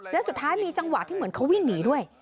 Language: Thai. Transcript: แล้วสุดท้ายมีจังหวะที่เหมือนเขาวิ่งหนีด้วย